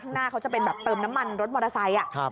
ข้างหน้าเขาจะเป็นแบบเติมน้ำมันรถมอเตอร์ไซค์